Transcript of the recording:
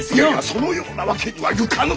そのようなわけにはいかぬ！